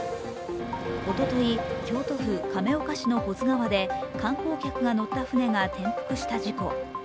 おととい、京都府亀岡市の保津川で観光客が乗った舟が転覆した事故。